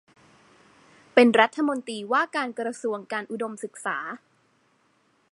เป็นรัฐมนตรีว่าการกระทรวงการอุดมศึกษา